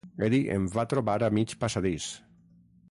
Eddie em va trobar a mig passadís.